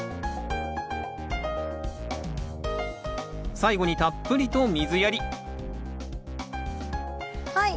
最後にたっぷりと水やりはい。